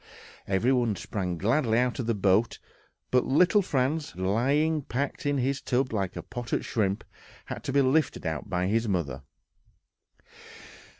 Everyone sprang gladly out of the boat but little Franz, who, lying packed in his tub like a potted shrimp, had to be lifted out by his mother....